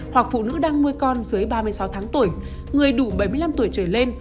hoặc phụ nữ đang nuôi con dưới ba mươi sáu tháng tuổi người đủ bảy mươi năm tuổi trở lên